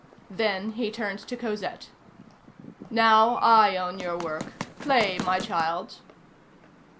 Then he turned to Cosette. "Now I own your work; play, my child."